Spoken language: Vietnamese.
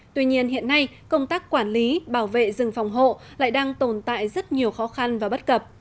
tuy nhiên hiện nay công tác quản lý bảo vệ rừng phòng hộ lại đang tồn tại rất nhiều khó khăn và bất cập